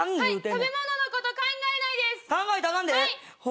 食べ物のこと、考えないです。